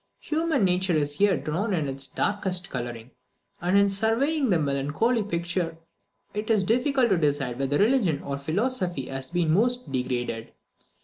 Human nature is here drawn in its darkest colouring; and in surveying the melancholy picture, it is difficult to decide whether religion or philosophy has been most degraded.